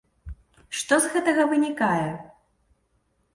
Што з гэтага вынікае?